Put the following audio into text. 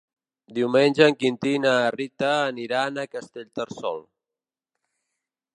Diumenge en Quintí i na Rita aniran a Castellterçol.